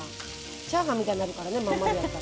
チャーハンみたいになるからね真ん丸やったら。